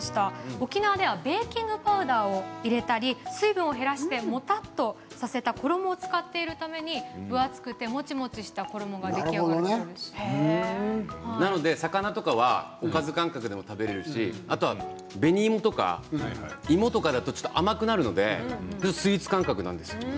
沖縄ではベーキングパウダーを入れたり水分を減らしてもたっとさせた衣を使っているために分厚くてもちもちした衣が魚はおかず感覚でも食べられるしあとは芋とか、紅芋だとちょっと甘くなるのでスイーツ感覚なんです。